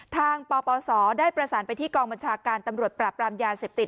ปปศได้ประสานไปที่กองบัญชาการตำรวจปราบรามยาเสพติด